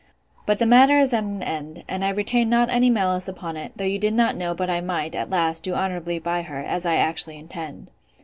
But the matter is at an end, and I retain not any malice upon it; though you did not know but I might, at last, do honourably by her, as I actually intend.